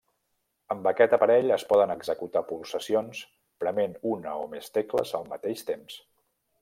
Amb aquest aparell es poden executar pulsacions prement una o més tecles al mateix temps.